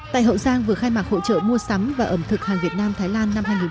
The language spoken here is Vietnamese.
tại hậu giang vừa khai mạc hỗ trợ mua sắm và ẩm thực hàng việt nam thái lan năm hai nghìn hai mươi